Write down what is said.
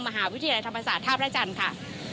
มหาวิทยาลัยธรรมศาสตร์ท่าพระจันทร์ค่ะ